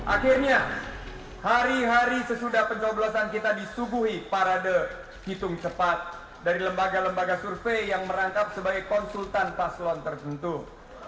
akhirnya hari hari sesudah pencoblosan kita disubuhi parade hitung cepat dari lembaga lembaga survei yang merangkap sebagai konsultan paslon tersentuh